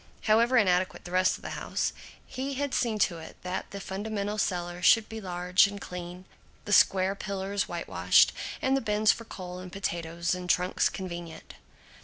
However inadequate the rest of the house, he had seen to it that the fundamental cellar should be large and clean, the square pillars whitewashed, and the bins for coal and potatoes and trunks convenient.